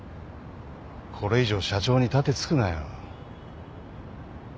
これ以上社長に盾突くなよ。